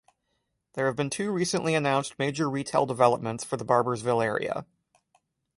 There have been two recently announced major retail developments for the Barboursville area.